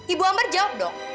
ibu amber jawab dong